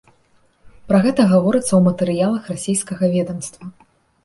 Пра гэта гаворыцца ў матэрыялах расійскага ведамства.